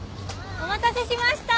お待たせしました！